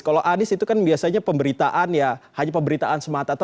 kalau anies itu kan biasanya pemberitaan ya hanya pemberitaan semata